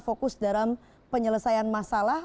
fokus dalam penyelesaian masalah